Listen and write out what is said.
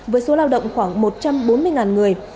với số lao động khoảng một trăm bốn mươi người